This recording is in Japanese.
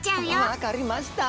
分かりました！